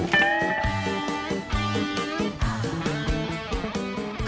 kang dadang tau